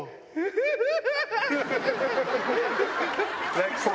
泣きそう。